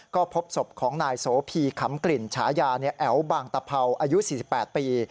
ก็พบศพของนายโสพีขำกลิ่นฉายาแอ๋วบางตะเภาอายุ๔๘ปี